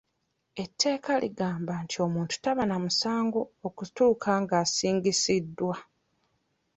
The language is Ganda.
Etteeka ligamba nti omuntu taba na musango okutuuka nga asingisiddwa.